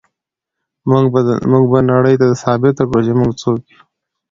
موږ به نړۍ ته ثابته کړو چې موږ څوک یو.